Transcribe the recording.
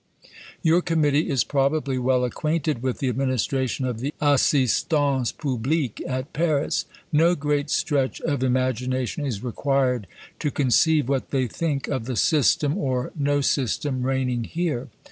Your Committee is probably well acquainted with the administration of the Assistance Publique at Paris. No great stretch of imagination is required to conceive what they think of the system or no system reigning here.